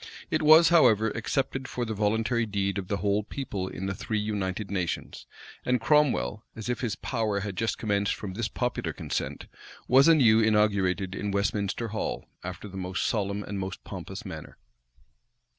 It was, however, accepted for the voluntary deed of the whole people in the three united nations; and Cromwell, as if his power had just commenced from this popular consent, was anew inaugurated in Westminster Hall, after the most solemn and most pompous manner.